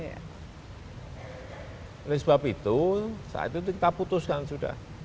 oleh sebab itu saat itu kita putuskan sudah